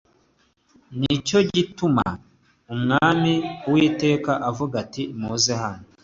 ni cyo gituma umwami uwiteka avuga ati muze hano